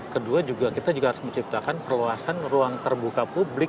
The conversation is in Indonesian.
kedua juga kita juga harus menciptakan perluasan ruang terbuka publik